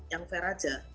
yang fair aja